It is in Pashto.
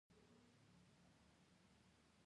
په افغانستان کې د کندهار ولایت شتون لري.